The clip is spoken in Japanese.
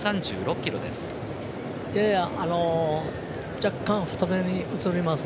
若干、太めに映ります。